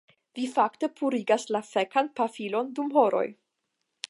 Vi fakte purigas la fekan pafilon dum horoj